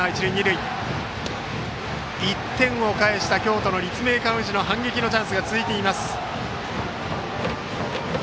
１点を返した京都・立命館宇治の反撃のチャンスが続いています。